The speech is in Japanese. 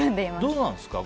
どうなんですか？